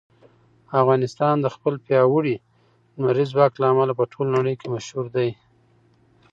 افغانستان د خپل پیاوړي لمریز ځواک له امله په ټوله نړۍ کې مشهور دی.